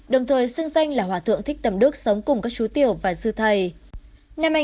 đồng thời xưng danh là hòa thượng thích tầm đức sống cùng các chú tiểu và sư thầy